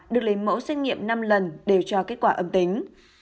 được lấy mẫu xét nghiệm năm lần đều cho kết quả âm tính